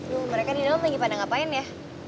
aduh mereka di dalam lagi pada ngapain ya